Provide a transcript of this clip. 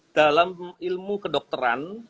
dalam ilmu kedokteran